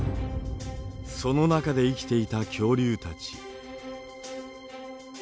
その中で生きていた恐竜たち。